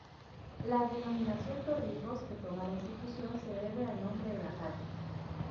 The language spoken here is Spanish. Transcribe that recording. La denominación Torrijos que toma la institución se debe al nombre de la calle.